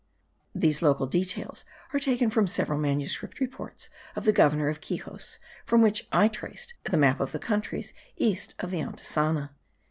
These local details are taken from several manuscript reports of the Governor of Quixos, from which I traced the map of the countries east of the Antisana.))